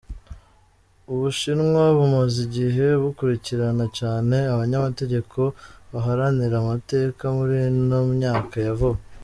Ubushinwa bumaze igihe bukurikirana cane abanyamategeko baharanira amateka muri ino myaka ya vuba.